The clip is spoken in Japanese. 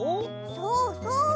そうそう。